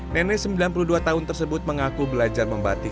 nenek sembilan puluh dua tahun tersebut mengaku belajar membatik